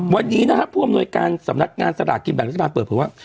วันนี้นะครับผู้อำนวยการสำนักงานสลากกิจแบบรัฐประจำการเปิดพิวัติว่า